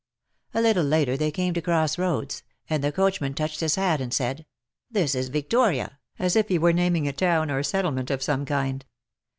A little later they came to cross Toads, and the coachman touched his hat, and said, " This is Victoria,'' as if he were naming a town or settlement of some kind.